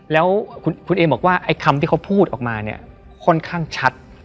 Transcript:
แล้วคุณเอมบอกว่าไอ้คำที่เขาพูดออกมาเนี่ยค่อนข้างชัด